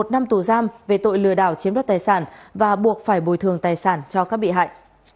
một năm tù giam về tội lừa đảo chiếm đoạt tài sản và buộc phải bồi thường tài sản cho các bị hại